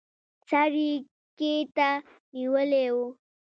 سر يې کښته نيولى و.